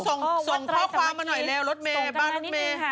แล้วส่งครอบครมมาหน่อยยังรถเมล์บ้านรถเมล์